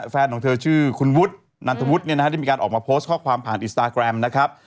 แฟนของเธอชื่อคุณวุฒินันทวุฒิเนี่ยนะฮะได้มีการออกมาโพสต์ข้อความผ่านอินสตาแกรมนะครับ